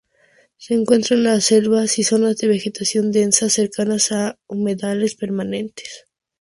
Se encuentra en las selvas y zonas de vegetación densa cercanas a humedales permanentes.